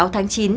sáu tháng chín